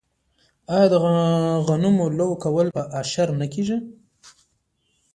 آیا د غنمو لو کول په اشر نه کیږي؟